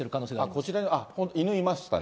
こちらに、犬いましたね。